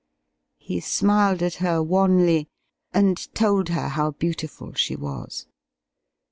He smiled at her wanly, and told her how beautiful she was.